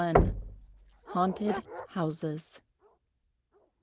HAUNTED HOUSES.